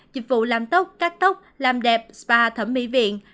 dịch vụ làm tóc cắt tóc làm đẹp spa thẩm mỹ viện